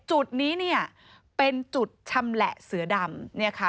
จุดนี้เนี่ยเป็นจุดชำแหละเสือดำ